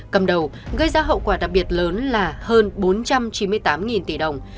cầm đầu gây ra hậu quả đặc biệt lớn là hơn bốn trăm chín mươi tám tỷ đồng